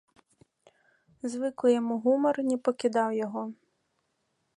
Звыклы яму гумар не пакідаў яго.